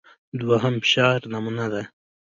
دوهم شعر نمونه ده.